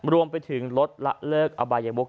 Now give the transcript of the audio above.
รวมไปถึงลดละเลิกอบายวก